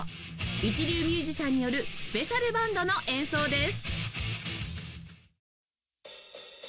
一流ミュージシャンによるスペシャルバンドの演奏です